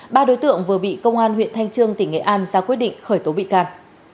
ba đối tượng vừa bị công an huyện thanh trương tỉnh nghệ an ra quyết định khởi tố bị can